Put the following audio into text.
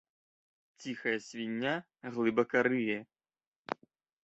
Цiхая сьвiньня глыбака рые